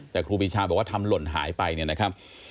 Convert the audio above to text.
แต่ครูปีชาบอกว่าทำหล่นหายไปเนี่ยนะครับ